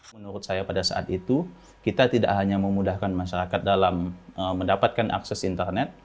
menurut saya pada saat itu kita tidak hanya memudahkan masyarakat dalam mendapatkan akses internet